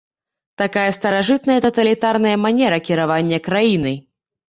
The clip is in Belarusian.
Такая старажытная таталітарная манера кіравання краінай.